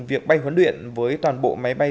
việc bay huấn luyện với toàn bộ máy bay